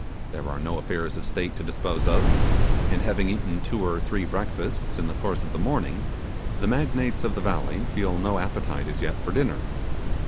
There are no affairs of state to dispose of; and having eaten two or three breakfasts in the course of the morning, the magnates of the valley feel no appetite as yet for dinner.